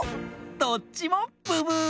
どっちもブブー！